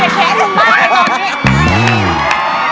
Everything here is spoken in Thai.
อย่าให้แข็นถึงบ้าง